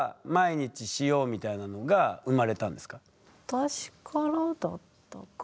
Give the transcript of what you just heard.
私からだったかな。